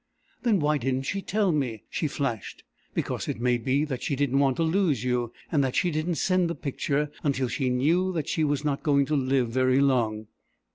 "Then why didn't she tell me?" she flashed. "Because, it may be that she didn't want to lose you and that she didn't send the picture until she knew that she was not going to live very long."